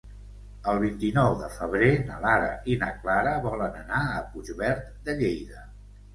El vint-i-nou de febrer na Lara i na Clara volen anar a Puigverd de Lleida.